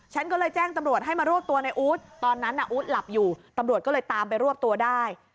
ฉันก็เลยแจ้งตำรวจให้มารวบตัวในอู๊ดตอนนั้นน่ะอู๊ดหลับอยู่ตำรวจก็เลยตามไปรวบตัวได้